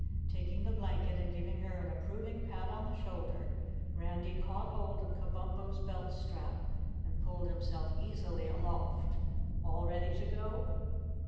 Taking the blanket and giving her an approving pat on the shoulder, Randy caught hold of Kabumpo's belt strap and pulled himself easily aloft. "All ready to go?"